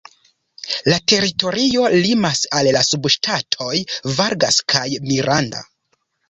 La teritorio limas al la subŝtatoj "Vargas" kaj "Miranda".